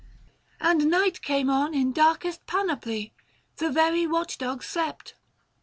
545 And night came on in darkest panoply. The very watch dogs slept.